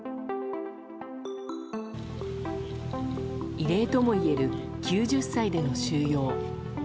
異例ともいえる９０歳での収容。